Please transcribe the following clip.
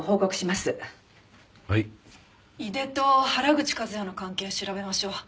井出と原口和也の関係調べましょう。